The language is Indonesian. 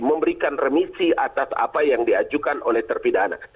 memberikan remisi atas apa yang diajukan oleh terpidana